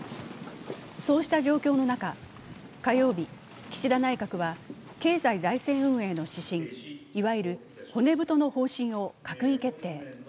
そうした状況の中、火曜日岸田内閣は経済財政運営の指針、いわゆる骨太の方針を閣議決定。